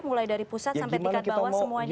mulai dari pusat sampai tingkat bawah semuanya